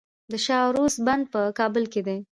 د شاه و عروس بند په کابل کې دی